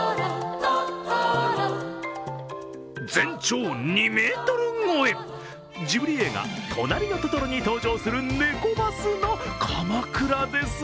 全長２ｍ超え、ジブリ映画「となりのトトロ」に登場するネコバスのかまくらです。